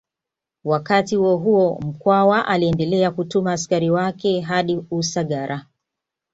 Wakati huohuo Mkwawa aliendelea kutuma askari wake hadi Usagara